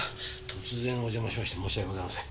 突然お邪魔しまして申し訳ございません。